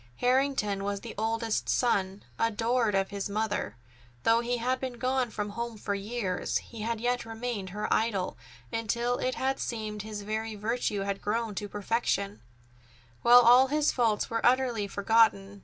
Harrington was the oldest son, adored of his mother. Though he had been gone from home for years, he had yet remained her idol until it had seemed his every virtue had grown to perfection, while all his faults were utterly forgotten.